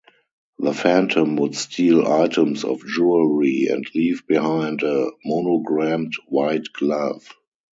The Phantom would steal items of jewelery and leave behind a monogrammed white glove.